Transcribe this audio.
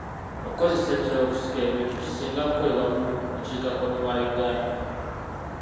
Okukozesa ensolo okusika ebintu kisinga kukolebwa mu bukiikakkono bwa Uganda.